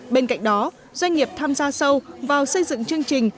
bên cạnh đó doanh nghiệp tham gia sâu vào xây dựng chương trình